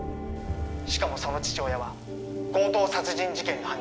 しかもその父親は強盗殺人事件の犯人